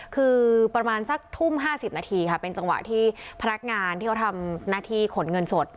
คือประมาณสักทุ่ม๕๐นาทีค่ะเป็นจังหวะที่พนักงานที่เขาทำหน้าที่ขนเงินสด